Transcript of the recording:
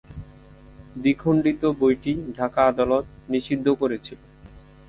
দ্বিখণ্ডিত বইটি ঢাকা আদালত নিষিদ্ধ করেছিলো।